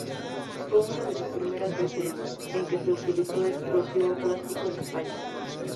Fue una de las primeras veces en que se utilizó explosivo plástico en España.